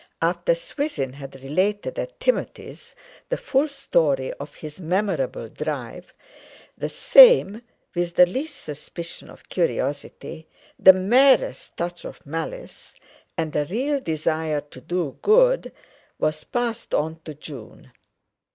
After Swithin had related at Timothy's the full story of his memorable drive, the same, with the least suspicion of curiosity, the merest touch of malice, and a real desire to do good, was passed on to June.